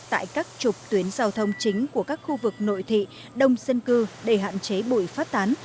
tại các trục tuyến giao thông chính của các khu vực nội thị đông dân cư để hạn chế bụi phát tán